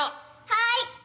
はい！